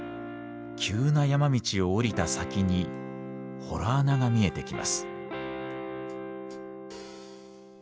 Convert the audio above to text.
急な山道を下りた先に洞穴が見えてきます。